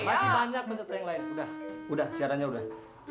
masih banyak peserta yang lain udah siarannya udah